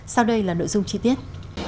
sau đây là nội dung chi tiết